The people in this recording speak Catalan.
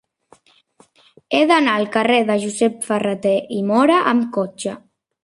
He d'anar al carrer de Josep Ferrater i Móra amb cotxe.